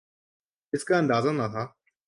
اس کا اندازہ نہ تھا۔